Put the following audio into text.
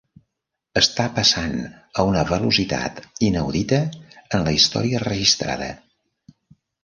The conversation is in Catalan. Està passant a una velocitat inaudita en la història registrada.